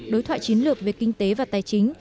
đối thoại chiến lược về kinh tế và tài chính